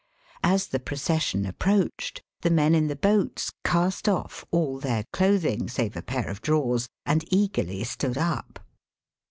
As the procession approached, the men in the boats cast off all their clothing save a pair of drawers and eagerly stood up.